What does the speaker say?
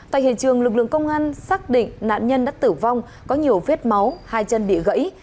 tại hiện trường lực lượng công an xác định nạn nhân đã tử vong có nhiều vết máu hai chân bị gãy